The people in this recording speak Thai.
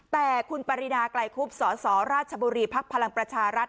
แต่คุณปรินาไกลคุบสสราชบุรีภักดิ์พลังประชารัฐ